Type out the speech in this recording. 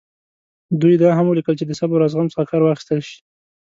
دوی دا هم ولیکل چې د صبر او زغم څخه کار واخیستل شي.